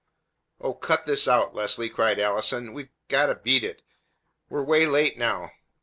"Oh, cut this out, Leslie," cried Allison. "We've gotta beat it. We're way late now!